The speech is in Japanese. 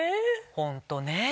ホントねぇ。